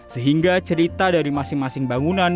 sehingga cerita dari masing masing bangunan